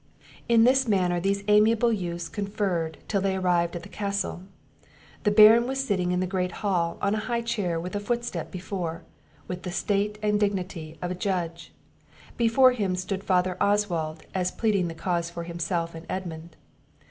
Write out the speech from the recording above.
In this manner these amiable youths conferred, till they arrived at the castle. The Baron was sitting in the great hall, on a high chair with a footstep before, with the state and dignity of a judge; before him stood Father Oswald, as pleading the cause for himself and Edmund.